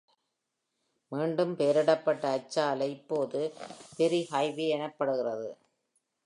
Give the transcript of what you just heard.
மீண்டும் பெயரி்டப்பட்ட அச்சாலை இப்போது Perry Highway எனப்படுகிறது.